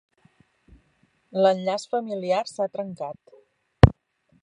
L'enllaç familiar s'ha trencat.